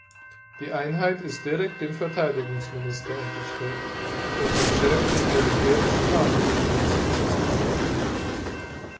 Die Einheit ist direkt dem Verteidigungsminister unterstellt und dem Chef des militärischen Nachrichtendienstes zugeordnet.